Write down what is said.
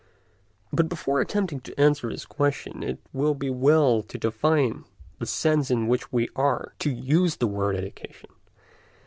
But before attempting to answer this question it will be well to define the sense in which we are to use the word "education."